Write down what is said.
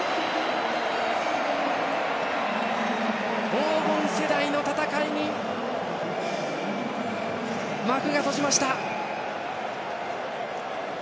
黄金世代の戦いに幕が閉じました。